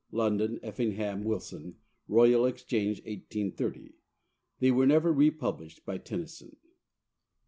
(London: Effingham Wilson, Royal Exchange, 1830.) They were never republished by Tennyson.